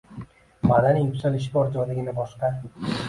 Madaniy yuksalish bor joydagina boshqa: